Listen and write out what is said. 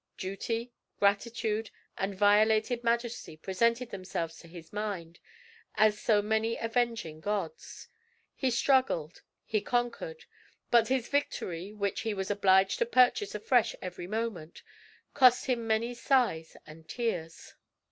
Duty, gratitude, and violated majesty presented themselves to his mind as so many avenging gods. He struggled; he conquered; but this victory, which he was obliged to purchase afresh every moment, cost him many sighs and tears.